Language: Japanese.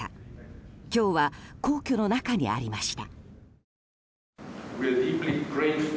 今日は皇居の中にありました。